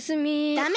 ダメ！